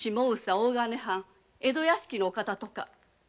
大金藩江戸屋敷のお方とか。